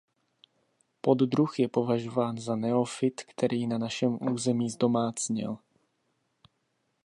Poddruh je považován za neofyt který na našem území zdomácněl.